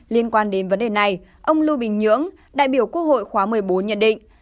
liên quan đến vấn đề này ông lưu bình nhưỡng đại biểu quốc hội khóa một mươi bốn nhận định